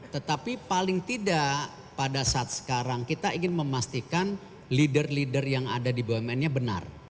tetapi paling tidak pada saat sekarang kita ingin memastikan leader leader yang ada di bumn nya benar